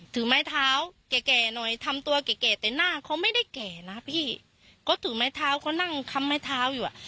ถือไม้เท้าแก่แก่หน่อยทำตัวแก่แต่หน้าเขาไม่ได้แก่นะพี่เขาถือไม้เท้าเขานั่งคำไม้เท้าอยู่อ่ะ